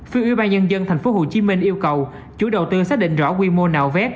phía ủy ban nhân dân tp hcm yêu cầu chủ đầu tư xác định rõ quy mô nạo vét